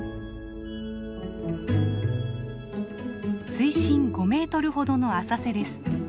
水深５メートルほどの浅瀬です。